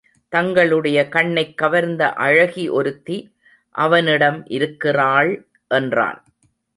தங்களுடைய கண்ணைக் கவர்ந்த அழகி ஒருத்தி அவனிடம் இருக்கிறாள் என்றான்.